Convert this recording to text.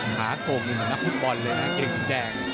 ขาโก่งนี่เหมือนนักฟุตบอลเลยนะเกงสีแดง